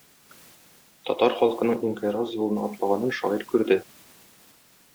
Татар халкының инкыйраз юлына атлаганын шагыйрь күрде.